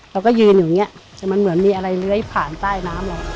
เราก็ยืนอยู่อย่างนี้แต่มันเหมือนมีอะไรเลื้อยผ่านใต้น้ำเรา